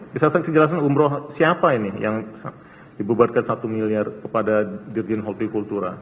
bisa saksi jelaskan umroh siapa ini yang dibubarkan satu miliar kepada dirjen holti kultura